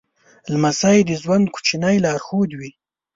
لمسی د ژوند کوچنی لارښود وي.